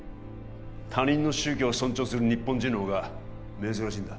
他人の宗教を尊重する日本人のほうが珍しいんだ